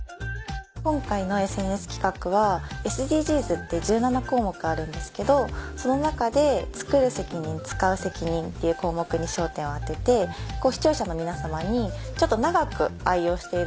今回のＳＮＳ企画はＳＤＧｓって１７項目あるんですけどその中で「つくる責任つかう責任」っていう項目に焦点を当てて視聴者の皆様にちょっと長く愛用している物